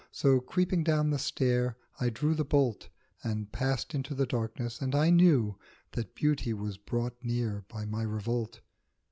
So, creeping down the stair, I drew the bolt And passed into the darkness, and I knew That Beauty was brought near by my revolt.